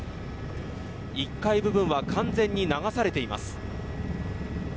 １階部分は完全に流されています。